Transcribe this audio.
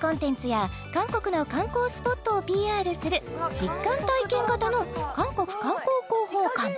コンテンツや韓国の観光スポットをＰＲする実感体験型の韓国観光広報館